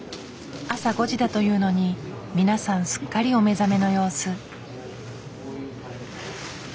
朝５時だというのにみなさんすっかりお目覚めの様子。